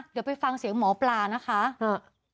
เดี๋ยวไปฟังเสียงหมอปลานะคะเถอะ